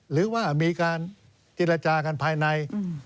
หรือว่ามีการเจรจากันภายใน